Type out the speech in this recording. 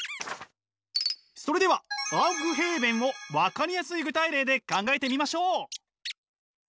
それではアウフヘーベンを分かりやすい具体例で考えてみましょう。